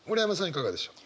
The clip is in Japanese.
いかがでしょう？